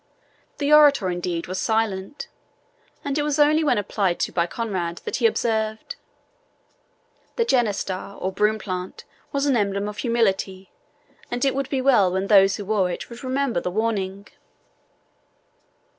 The orator, indeed, was silent, and it was only when applied to by Conrade that he observed, "The GENISTA, or broom plant, was an emblem of humility; and it would be well when those who wore it would remember the warning."